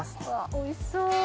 おいしそう。